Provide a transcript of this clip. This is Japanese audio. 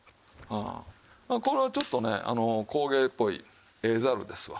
これちょっとね工芸っぽいええざるですわ。